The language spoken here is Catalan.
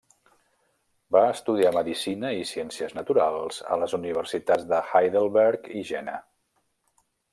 Va estudiar medicina i ciències naturals a les universitats de Heidelberg i Jena.